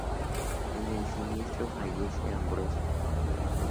En el siniestro fallece Ambrosio.